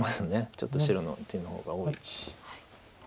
ちょっと白の手の方が多い。